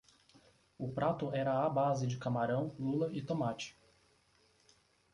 O prato era à base de camarão, lula e tomate